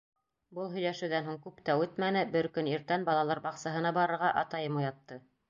Был һөйләшеүҙән һуң күп тә үтмәне, бер көн иртән балалар баҡсаһына барырға атайым уятты: